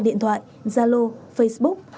điện thoại gia lô facebook